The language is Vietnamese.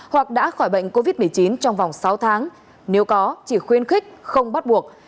hoặc đã khỏi bệnh covid một mươi chín trong vòng sáu tháng nếu có chỉ khuyên khích không bắt buộc